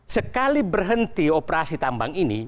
sekali berhenti operasi tambang ini